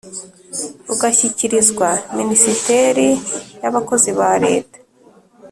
rugashyikirizwa minisiteri ya bakozi ba leta